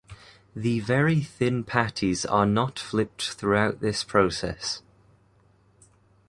The very thin patties are not flipped throughout this process.